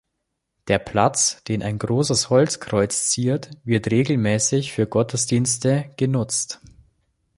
Der Platz, den ein großes Holzkreuz ziert, wird regelmäßig für Gottesdienste genutzt.